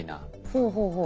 ほうほうほう。